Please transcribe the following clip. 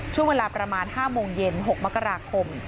ช่วงเวลาประมาณ๕โมงเย็น๖มกราคม